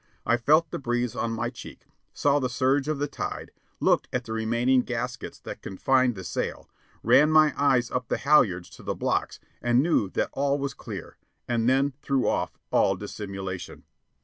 I felt the breeze on my cheek, saw the surge of the tide, looked at the remaining gaskets that confined the sail, ran my eyes up the halyards to the blocks and knew that all was clear, and then threw off all dissimulation.